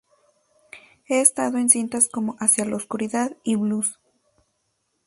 He estado en cintas como "Hacia la oscuridad" y "Blues".